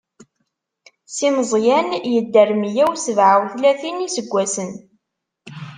Si Meẓyan yedder meyya u sebɛa u tlatin n iseggasen.